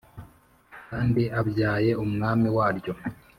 Kandi abyaye umwami warwo